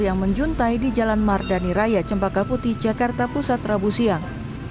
yang menjuntai di jalan mardani raya cempaka putih jakarta pusat rabu siang